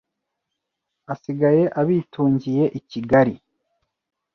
Asigaye abitungiye i kigari